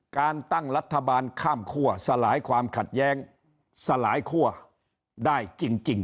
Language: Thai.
การตั้งรัฐบาลข้ามคั่วสลายความขัดแย้งสลายคั่วได้จริง